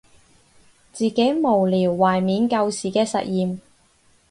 自己無聊緬懷舊時嘅實驗